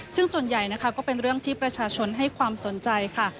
ซึ่งส่วนใหญ่นะคะก็เป็นเรื่องที่ประชาชนให้ความสนใจค่ะ